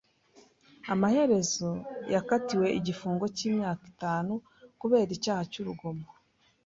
Amaherezo, yakatiwe igifungo cy’imyaka itanu kubera icyaha cy’urugomo.